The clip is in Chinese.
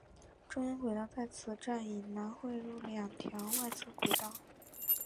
中央轨道在此站以南汇入两条外侧轨道。